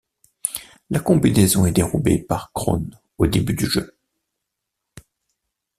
La combinaison est dérobée par Krone au début du jeu.